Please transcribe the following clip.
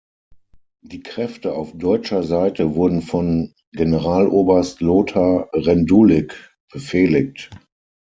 Die Kräfte auf deutscher Seite wurden von Generaloberst Lothar Rendulic befehligt.